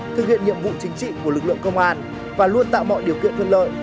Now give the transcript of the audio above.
thực hiện nhiệm vụ chính trị của lực lượng công an và luôn tạo mọi điều kiện thuận lợi